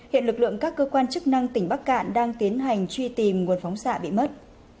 hiện lực lượng các cơ quan chức năng tỉnh bắc cạn đang tiến hành truy tìm nguồn phóng xạ bị mất